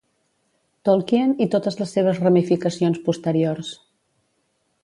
Tolkien i totes les seves ramificacions posteriors.